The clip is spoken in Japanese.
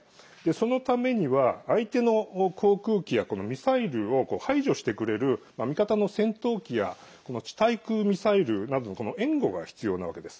そのためには相手の航空機やミサイルを排除してくれる味方の戦闘機や地対空ミサイルなどの援護が必要なわけです。